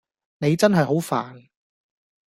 你真係好煩